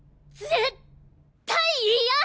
絶対嫌！